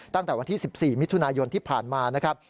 ตั้งแต่วันที่๑๔มิถุนายนที่ผ่านมานะครับ